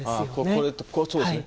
これそうですね。